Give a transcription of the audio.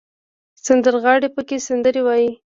سندرغاړي پکې سندرې وايي.